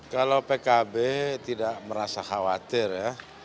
kalau pkb tidak merasa khawatir ya